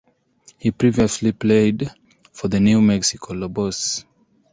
He previously played for the New Mexico Lobos.